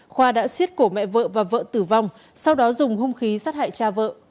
khoa đã xiết cổ mẹ vợ và vợ tử vong sau đó dùng hung khí sát hại cha vợ